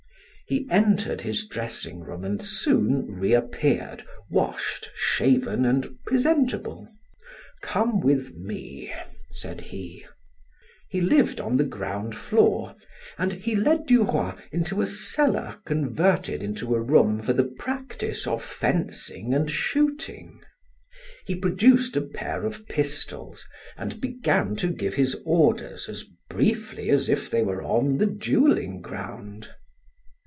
He entered his dressing room and soon reappeared, washed, shaven, and presentable. "Come with me," said he. He lived on the ground floor, and he led Duroy into a cellar converted into a room for the practice of fencing and shooting. He produced a pair of pistols and began to give his orders as briefly as if they were on the dueling ground.